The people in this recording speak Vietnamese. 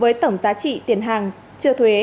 với tổng giá trị tiền hàng chưa thuế